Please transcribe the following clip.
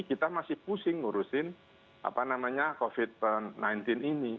kita masih pusing ngurusin covid sembilan belas ini